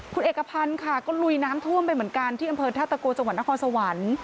คุณเอกพันธ์ค่ะก็ลุยน้ำท่วมไปเหมือนกันที่อำเภอท่าตะโกจังหวัดนครสวรรค์